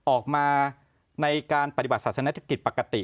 ออกมาในการปฏิบัติศาสตร์ศาสนาธิปกติ